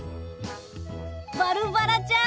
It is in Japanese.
バルバラちゃん！